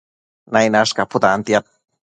Nainash caputantiad